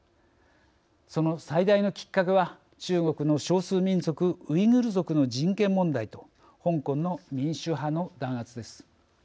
その最大のきっかけは中国の少数民族ウイグル族の人権問題と香港の民主派の弾圧です。